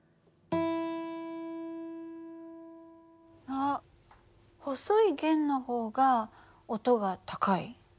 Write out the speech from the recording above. あっ細い弦の方が音が高い。